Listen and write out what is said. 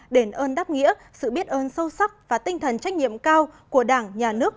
đền ơn đáp nghĩa sự biết ơn sâu sắc và tinh thần trách nhiệm cao của đảng nhà nước